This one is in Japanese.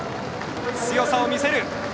強さを見せる。